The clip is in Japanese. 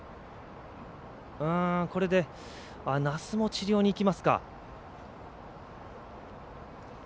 これで、奈須も治療に行きますか。